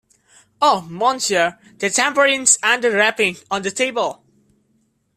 Oh, monsieur, the tambourines and the rapping on the table!